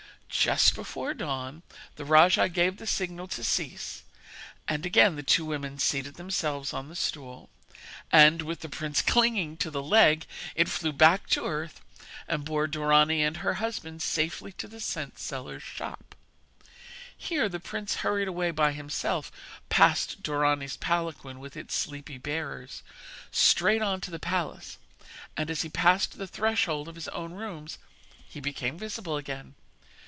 Just before dawn the rajah gave the signal to cease; and again the two women seated themselves on the stool, and, with the prince clinging to the leg, it flew back to earth, and bore Dorani and her husband safely to the scent seller's shop. Here the prince hurried away by himself past Dorani's palanquin with its sleepy bearers, straight on to the palace; and, as he passed the threshold of his own rooms he became visible again.